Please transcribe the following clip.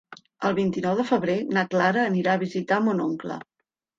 El vint-i-nou de febrer na Clara anirà a visitar mon oncle.